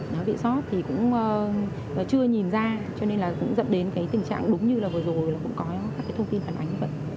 nó bị sót thì cũng chưa nhìn ra cho nên là cũng dẫn đến cái tình trạng đúng như là vừa rồi là cũng có các thông tin phản ánh